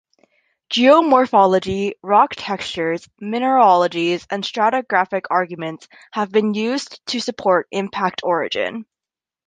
Geomorphology, rock textures, mineralogies and stratigraphic arguments have been used to support impact origin.